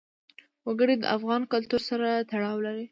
وګړي د افغان کلتور سره تړاو لري.